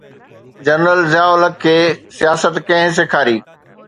General Zia ul Haq کي سياست ڪنهن سيکاري؟